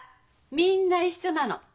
みんな一緒なの。